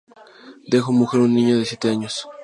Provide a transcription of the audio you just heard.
Dejó mujer un niño de siete años.